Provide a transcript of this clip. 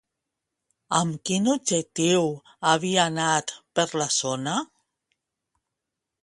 Amb quin objectiu havia anat per la zona?